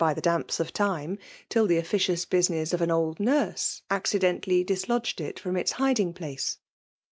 59 the datmps of time, till the officious business of an old nnrae accidentally dislodged it irom its hiding place